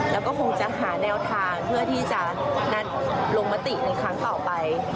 แล้วก็คงจะหาแนวทางเพื่อที่จะนัดลงมติในครั้งต่อไป